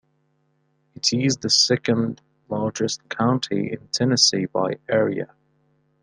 It is the second-largest county in Tennessee by area.